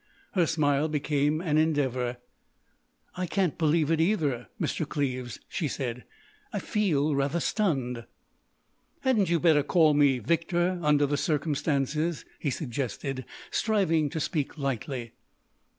Her smile became an endeavour. "I can't believe it either, Mr. Cleves," she said. "I feel rather stunned." "Hadn't you better call me Victor—under the circumstances?" he suggested, striving to speak lightly.